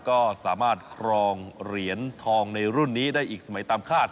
ก็สามารถครองเหรียญทองในรุ่นนี้ได้อีกสมัยตามคาด